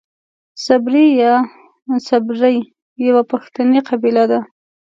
صبري يا سبري يوۀ پښتني قبيله ده.